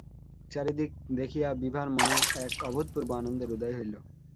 চারিদিক দেখিয়া বিভার মনে এক অভূতপূর্ব আনন্দের উদয় হইল।